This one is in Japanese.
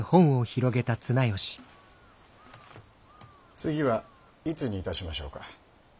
次はいつにいたしましょうか。